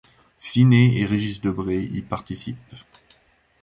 Siné et Régis Debray y participent.